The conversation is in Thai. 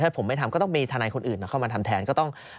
ถ้าไม่มีฐานายคนอื่นเข้ามาทำแทนก็ต้อง